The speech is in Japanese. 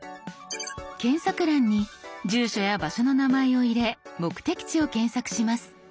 検索欄に住所や場所の名前を入れ目的地を検索します。